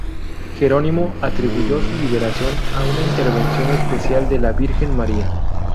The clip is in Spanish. Jerónimo atribuyó su liberación a una intervención especial de la Virgen María.